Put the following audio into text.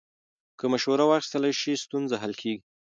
که مشوره واخیستل شي، ستونزه حل کېږي.